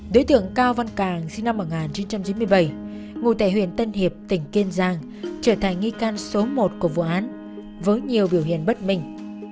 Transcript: đối tượng cao văn càng sinh năm một nghìn chín trăm chín mươi bảy ngụ tệ huyền tân hiệp tỉnh kiên giang trở thành nghi can số một của vụ án với nhiều biểu hiện bất minh